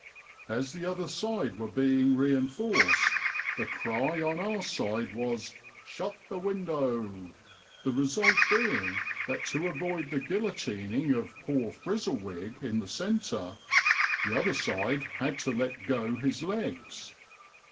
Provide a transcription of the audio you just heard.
As the other side were being reinforced, the cry on our side was, 'Shut the window,' the result being that to avoid the guillotining of poor Frizzlewig in the centre, the other side had to let go his legs.